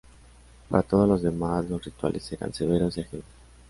Para todos los demás, los rituales eran severos y ajenos.